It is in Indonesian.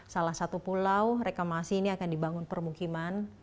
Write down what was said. salah satu pulau reklamasi ini akan dibangun permukiman